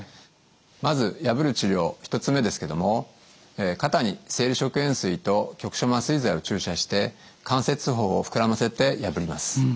まず破る治療１つ目ですけども肩に生理食塩水と局所麻酔剤を注射して関節包を膨らませて破ります。